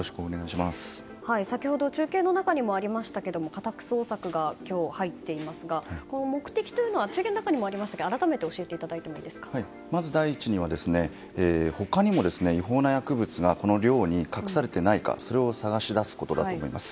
先ほど中継の中にもありましたけど家宅捜索が今日入っていますが目的というのを中継の中にもありましたがまず第一に他にも違法な薬物がこの寮に隠されていないか、それを探し出すことだと思います。